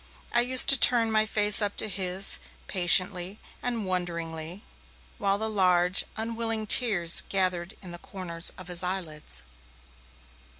I used to turn my face up to his, patiently and wonderingly, while the large, unwilling tears gathered in the corners of his eyelids.